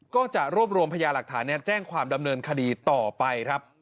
ก็จะรวบรวมพยาหลักฐานแจ้งความดำเนินคดีต่อไปครับ